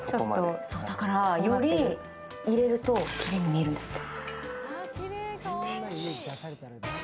だから、より入れるときれいに見えるんですって。